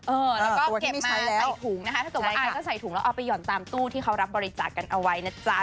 เออแล้วก็เก็บมาใส่ถุงนะคะถ้าเกิดว่าอายก็ใส่ถุงแล้วเอาไปห่อนตามตู้ที่เขารับบริจาคกันเอาไว้นะจ๊ะ